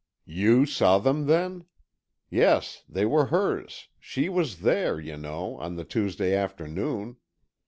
"You saw them, then? Yes, they were hers, she was there, you know, on the Tuesday afternoon.